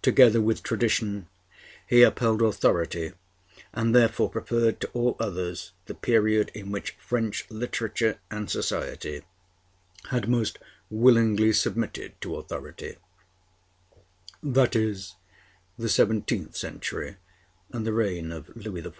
Together with tradition he upheld authority, and therefore preferred to all others the period in which French literature and society had most willingly submitted to authority, that is, the seventeenth century and the reign of Louis XIV.